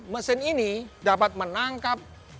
mesin ini dapat menangkap virus covid sembilan belas